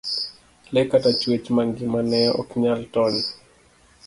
lee kata chuech mangima ne ok nyal tony.